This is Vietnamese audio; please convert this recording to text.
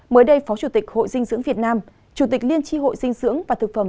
mới đây phó chủ tịch hội dinh dưỡng việt nam chủ tịch liên tri hội dinh dưỡng và thực phẩm